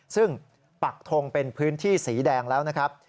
ซึ่งปักทงเป็นพื้นที่สีแดงแล้วนะครับ